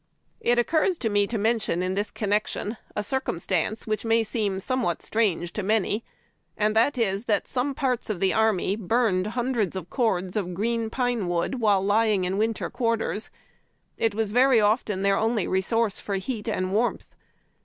It occurs to me to mention in this connection a circum stance which may seem somewhat strange to many, and that is that some parts of the army burned hundreds of cords of gxeen pine wood while lyiug in winter quarters. It was very often their only resource for heat and warmth.